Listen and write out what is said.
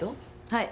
はい。